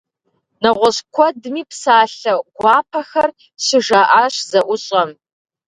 Нэгъуэщӏ куэдми псалъэ гуапэхэр щыжаӏащ зэӏущӏэм.